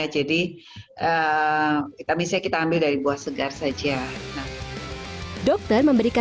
jadi vitamin c kita ambil dari buah segar saja